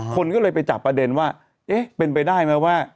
คนก็เลยไปจับประเด็นว่าเอ๊ะเป็นไปได้ไหมว่า